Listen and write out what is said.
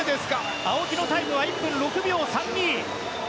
青木のタイムは１分６秒３２。